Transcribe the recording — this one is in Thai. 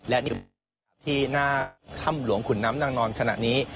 และนี่ที่หน้าถ้ำหลวงขุนน้ำนางนอนขณะนี้